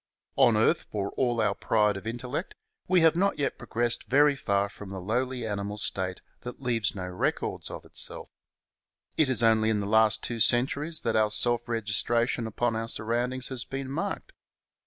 On earth, for all our pride of intellect, we have not yet progressed very far from the lowly animal state that leaves no rec ords of itself. It is only in the last two centuries that our self registration upon our surroundings has been marked.